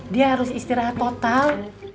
dia harus istirahat total